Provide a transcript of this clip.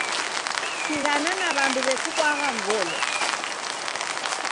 Sighana na w'andu w'ekubwagha ngolo.